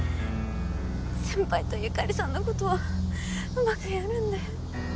先輩と由香里さんのことはうまくやるんで。